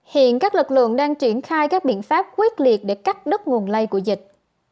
hiện các lực lượng đang triển khai các biện pháp quyết liệt để cắt đứt nguồn lây của dịch